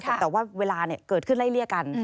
แต่ว่าเวลาเกิดขึ้นไล่เลี่ยกัน